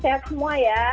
sehat semua ya